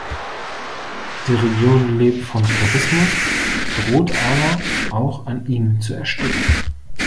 Die Region lebt vom Tourismus, droht aber auch an ihm zu ersticken.